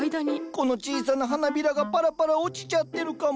この小さな花びらがパラパラ落ちちゃってるかも。